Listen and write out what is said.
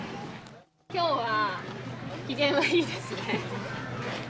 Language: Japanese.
今日は機嫌はいいですね。